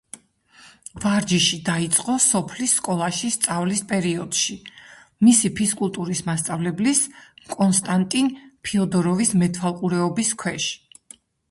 ვარჯიში დაიწყო სოფლის სკოლაში სწავლის პერიოდში, მისი ფიზკულტურის მასწავლებლის, კონსტანტინ ფიოდოროვის მეთვალყურეობის ქვეშ.